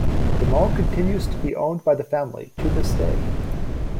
The mall continues to be owned by the family to this day.